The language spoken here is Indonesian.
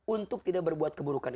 untuk tidak berbuat keburukan